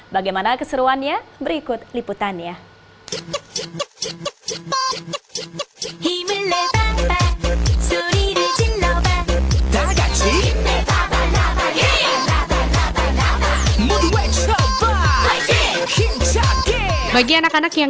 bagaimana keseruannya berikut liputannya